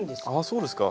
そうですか。